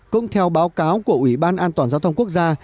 cũng theo báo cáo của ủy ban an toàn giao thông quốc gia